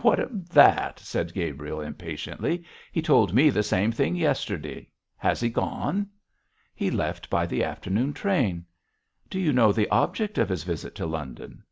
'What of that?' said Gabriel, impatiently. 'He told me the same thing yesterday. Has he gone?' 'He left by the afternoon train. Do you know the object of his visit to London?'